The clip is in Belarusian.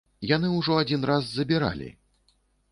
Яны ўжо адзін раз забіралі.